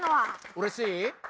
うれしい！